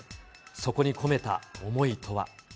そこに込めた思いとは。